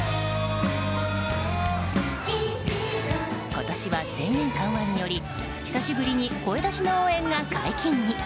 今年は制限緩和により久しぶりに声出しの応援が解禁に。